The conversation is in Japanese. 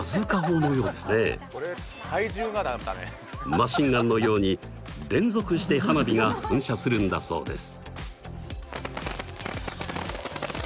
マシンガンのように連続して花火が噴射するんだそうです。